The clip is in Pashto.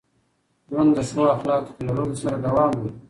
ژوند د ښو اخلاقو په لرلو سره دوام مومي.